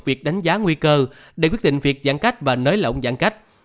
việc đánh giá nguy cơ để quyết định việc giãn cách và nới lỏng giãn cách